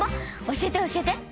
教えて教えて。